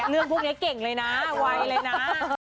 เรื่องพวกนี้เก่งเลยนะไวเลยนะ